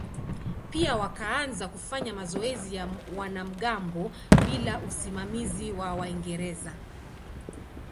Pia wakaanza kufanya mazoezi ya wanamgambo bila usimamizi wa Waingereza.